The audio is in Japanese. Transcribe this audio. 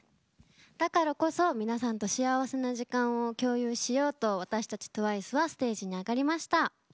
だからこそ、皆さんと幸せな時間を共有しようと私たちＴＷＩＣＥはステージに上がりました。